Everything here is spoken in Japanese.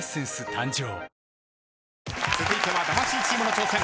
誕生続いては魂チームの挑戦。